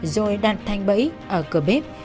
rồi đặt thanh bẫy ở cửa bếp